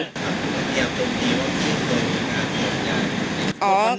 มันเกี่ยวตรงที่ว่าคิดตรวจกัญญายน